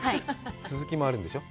続きもあるんでしょう？